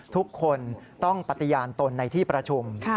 ทุกคนต้องปฏิญาณตนในที่ประชุม